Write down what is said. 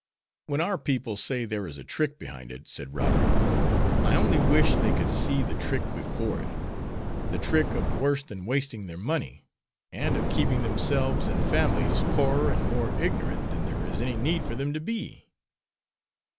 "When our people say there is a trick behind it," said Robert, "I only wish they could see the trick before it the trick of worse than wasting their money, and of keeping themselves and families poorer and more ignorant than there is any need for them to be."